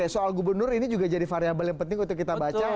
soal gubernur ini juga jadi variable yang penting untuk kita baca